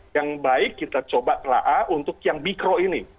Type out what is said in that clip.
yang baik kita coba telah untuk yang mikro ini